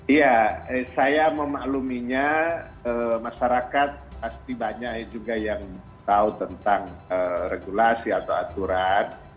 iya saya memakluminya masyarakat pasti banyak juga yang tahu tentang regulasi atau aturan